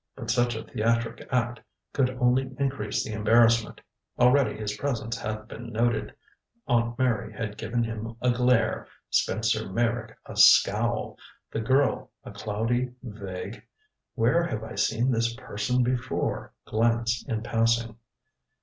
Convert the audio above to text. But such a theatric act could only increase the embarrassment. Already his presence had been noted Aunt Mary had given him a glare, Spencer Meyrick a scowl, the girl a cloudy vague "where have I seen this person before?" glance in passing.